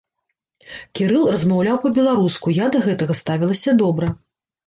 Кірыл размаўляў па-беларуску, я да гэтага ставілася добра.